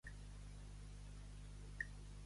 A nuar, a Bétera.